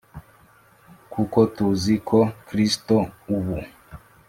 kuko tuzi ko Kristo ubu